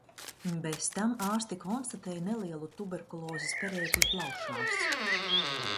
Bez tam ārsti konstatēja nelielu tuberkulozes perēkli plaušās.